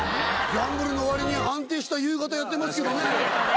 ギャンブルのわりに、安定した夕方やってますけどね。